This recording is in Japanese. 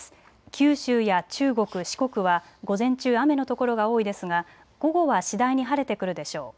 九州や中国、四国は午前中、雨の所が多いですが午後は次第に晴れてくるでしょう。